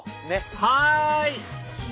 はい！